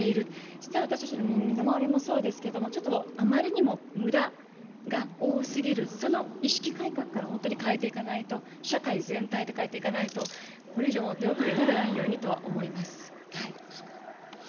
実は私たちの身の回りもそうですけれどもあまりにも無駄が多すぎる、その意識改革から本当に変えていかないと、社会全体で変えていかないと、これ以上手遅れにならないようにとは思います。